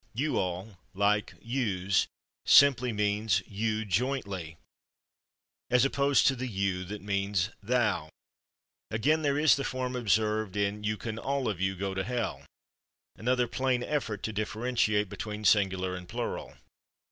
/You all/, like /yous/, simply means /you jointly/ as opposed to the /you/ that means /thou/. Again, there is the form observed in "you can /all of you/ go to hell" another plain effort to differentiate between singular and plural.